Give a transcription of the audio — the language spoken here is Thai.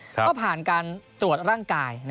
ก็ผ่านการตรวจร่างกาย